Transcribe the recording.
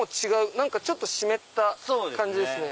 何かちょっと湿った感じですね。